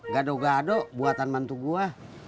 gado gado buatan mantu gue